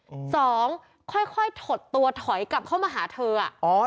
อืมสองค่อยค่อยถดตัวถอยกลับเข้ามาหาเธออ่ะอ๋อ